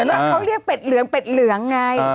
แล้วเขาเรียกเป็ดเหลืองเป็ดเหลืองไง